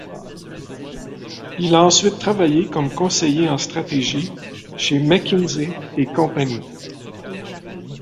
Il a ensuite travaillé comme conseiller en stratégie chez McKinsey & Company.